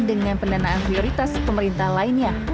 dengan pendanaan prioritas pemerintah lainnya